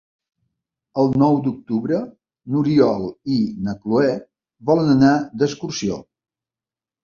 El nou d'octubre n'Oriol i na Cloè volen anar d'excursió.